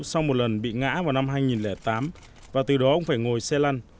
sau một lần bị ngã vào năm hai nghìn tám và từ đó ông phải ngồi xe lăn